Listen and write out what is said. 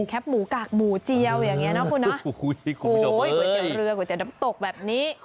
แป๊บหมูกากหมูเจียวอย่างเงี้นะคุณนะโอ้โหก๋วยเตี๋ยวเรือก๋วเตี๋น้ำตกแบบนี้